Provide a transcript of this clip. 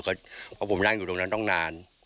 เพราะผมนั่งอยู่ตรงนั้นต้องนาน